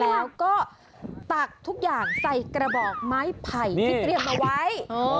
แล้วก็ตักทุกอย่างใส่กระบอกไม้ไผ่ที่เตรียมเอาไว้